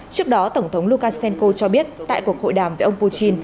trước đó tổng thống lukashenko cho biết tại cuộc hội đàm với ông putin